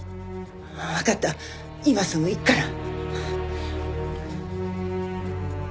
わかった今すぐ行くから。